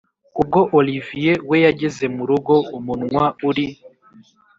ubwo olivier we yageze murugo umunwa uri